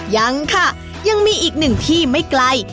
ยังค่ะยังมีอีกหนึ่งที่ไม่ไกล